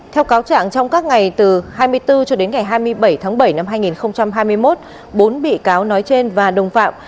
theo cáo trạng trong các ngày từ hai mươi bốn hai mươi bảy bảy hai nghìn hai mươi một bốn bị cáo nói trên và đồng phạm